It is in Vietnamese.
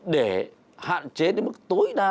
để hạn chế đến mức tối đa